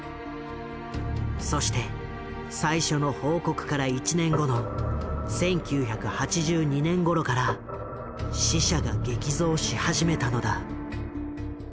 そして最初の報告から１年後の１９８２年ごろから死者が激増し始めたのだ。